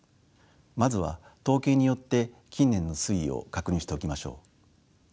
まずは統計によって近年の推移を確認しておきましょう。